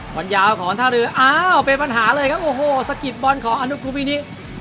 ความยาวของท่าเรืออ้าวเป็นปัญหาเลยครับโอ้โหสะกิดบอลของอนุกูมินิ